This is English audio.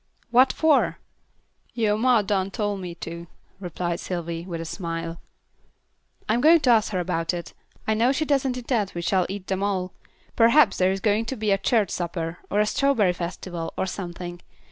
"What for?" "Yo' ma done tole me to," replied Sylvy, with a smile. "I'm going to ask her about it. I know she doesn't intend we shall eat them all. Perhaps there is going to be a church supper, or a strawberry festival, or something.